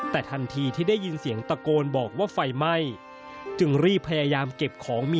แต่ท่นทีที่ได้ยินเสียงตะโกนบอกว่าไฟไหม้